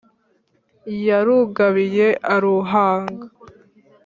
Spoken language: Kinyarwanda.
Yarugabiye aruhanga